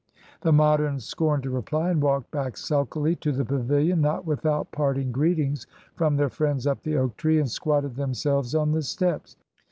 The Moderns scorned to reply, and walked back sulkily to the pavilion, not without parting greetings from their friends up the oak tree, and squatted themselves on the steps.